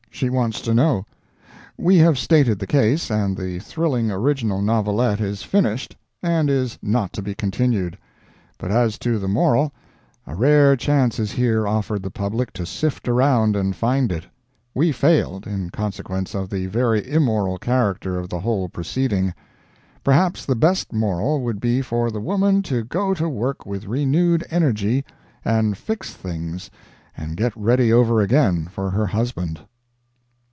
She wants to know. We have stated the case, and the thrilling original novelette is finished, and is not to be continued. But as to the moral, a rare chance is here offered the public to sift around and find it. We failed, in consequence of the very immoral character of the whole proceeding. Perhaps the best moral would be for the woman to go to work with renewed energy, and fix things, and get ready over again for her husband.